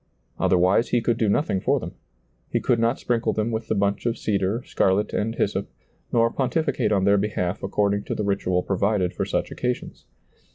Other wise he could do nothing for them ; he could not sprinkle them with the bunch of cedar, scarlet and hyssop, nor pontificate on their behalf according to the ritual provided for such occasions.